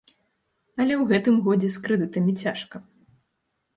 Але ў гэтым годзе з крэдытамі цяжка.